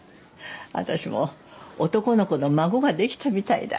私も男の子の孫ができたみたいだ